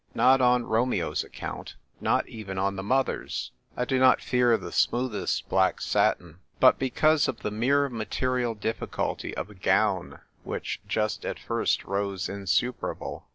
Not on Romeo's account, nor even on the mother's — I do not 178 THE TYPE WRITER GIRL. fear the smoothest black satin ; but because of the mere material difficulty of a gown, which just at first rose insuperable.